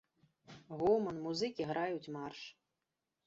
Гоман, музыкі граюць марш.